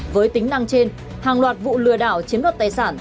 với tính năng trên hàng loạt vụ lừa đảo chiếm đột tay sạch